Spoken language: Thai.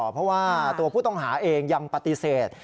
เพราะว่าตัวผู้ต้องหาเองยังปฏิเสธ